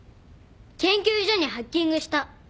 研究所にハッキングした。